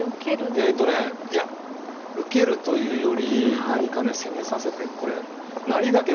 えとねいや受けるというより何かね攻めさせてこれ成りだけ受けるんならね